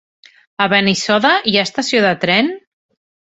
A Benissoda hi ha estació de tren?